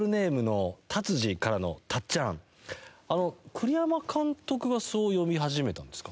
栗山監督がそう呼び始めたんですか？